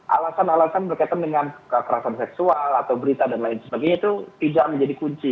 alasan alasan berkaitan dengan kekerasan seksual atau berita dan lain sebagainya itu tidak menjadi kunci